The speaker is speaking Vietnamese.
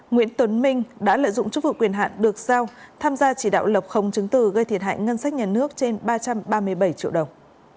nguyễn tuấn minh đã lợi dụng chức vụ quyền hạn được giao tham gia chỉ đạo lập khống chứng từ gây thiệt hại ngân sách nhà nước trên ba trăm ba mươi bảy triệu đồng